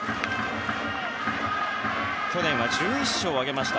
去年は１１勝を挙げました。